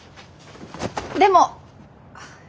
でも。